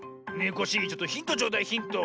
コッシーちょっとヒントちょうだいヒント。